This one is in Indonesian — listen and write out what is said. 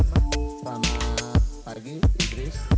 selamat pagi idris